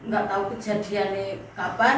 gak tau kejadiannya kapan